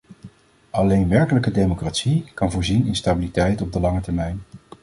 Alleen werkelijke democratie kan voorzien in stabiliteit op de lange termijn.